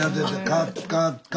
カッカッカ。